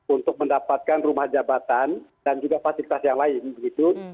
untuk mendapatkan rumah jabatan dan juga fasilitas yang lain begitu